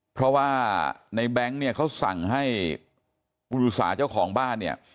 เพราะว่าในแบงค์เนี่ยเขาสั่งให้อุรุสาเจ้าของบ้านเนี่ย